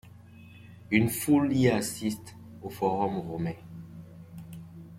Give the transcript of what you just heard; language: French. Une foule y assiste, au Forum romain.